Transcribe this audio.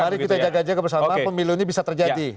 mari kita jaga jaga bersama pemilu ini bisa terjadi